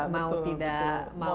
mau tidak mau